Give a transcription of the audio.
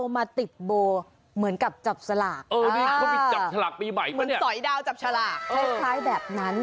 มาติดโบเหมือนกับจับสลาก